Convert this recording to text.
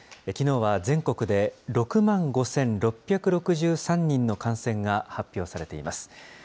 きのうは全国で６万５６６３人の感染が発表されています。